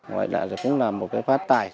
gọi là cũng là một cái phát tài